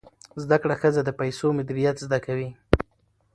زده کړه ښځه د پیسو مدیریت زده کوي.